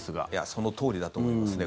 そのとおりだと思いますね。